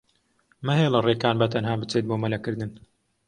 مەهێڵە ڕێکان بەتەنها بچێت بۆ مەلەکردن.